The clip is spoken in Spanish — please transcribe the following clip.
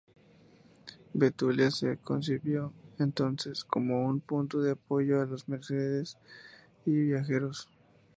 Betulia se concibió entonces, como un punto de apoyo a los mercaderes y viajeros.